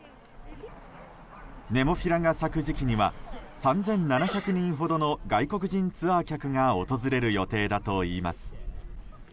ネモフィラが咲く時期には３７００人ほどの外国人ツアー客が訪れる予定だといいます。